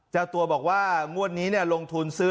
เจ้าตัวบอกว่างวดนี้ลงทุนซื้อ